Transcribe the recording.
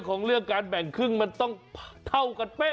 ของเรื่องการแบ่งครึ่งมันต้องเท่ากันเป๊ะ